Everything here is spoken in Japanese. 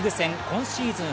今シーズン